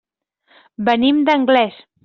Venim d'Anglès.